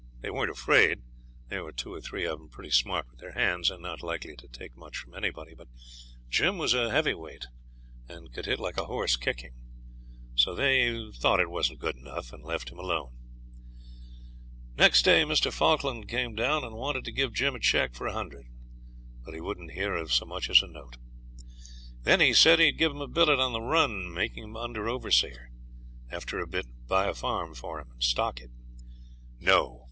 They weren't afraid. There were two or three of them pretty smart with their hands, and not likely to take much from anybody. But Jim was a heavy weight and could hit like a horse kicking; so they thought it wasn't good enough, and left him alone. Next day Mr. Falkland came down and wanted to give Jim a cheque for a hundred; but he wouldn't hear of so much as a note. Then he said he'd give him a billet on the run make him under overseer; after a bit buy a farm for him and stock it. No!